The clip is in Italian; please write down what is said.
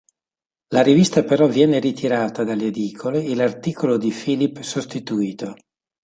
La rivista però viene ritirata dalle edicole e l'articolo di Philip sostituito.